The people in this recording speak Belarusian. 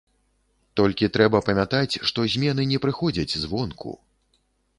Толькі трэба памятаць, што змены не прыходзяць звонку.